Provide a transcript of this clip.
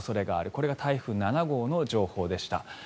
これが台風７号の情報でした。